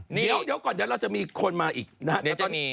เดี๋ยวก่อนเดี๋ยวเราจะมีคนมาอีกนะครับ